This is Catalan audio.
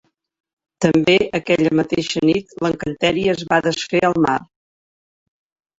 També, aquella mateixa nit l'encanteri es va desfer al mar.